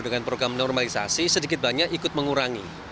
dengan program normalisasi sedikit banyak ikut mengurangi